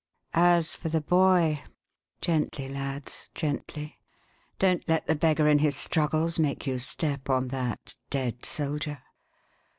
As for the boy Gently, lads, gently! Don't let the beggar in his struggles make you step on that 'dead soldier.'